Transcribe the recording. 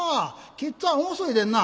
きっつぁん遅いでんな」。